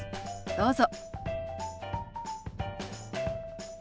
どうぞ。